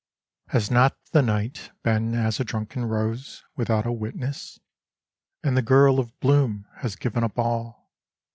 HAS not the night been as a drunken rose Without a witness ? And the girl of bloom Has given up all.